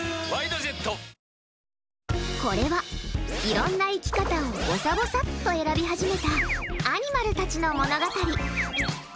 これは、いろんな生き方をぼさぼさっと選び始めたアニマルたちの物語。